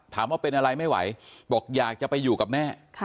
ถามว่าเป็นอะไรไม่ไหวบอกอยากจะไปอยู่กับแม่